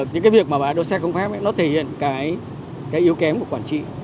những cái việc mà bán đỗ xe không phép nó thể hiện cái yếu kém của quản trị